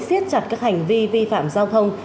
siết chặt các hành vi vi phạm giao thông